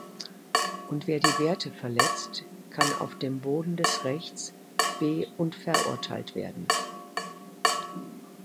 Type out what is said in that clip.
Und wer die Werte verletzt, kann auf dem Boden des Rechts be- und verurteilt werden.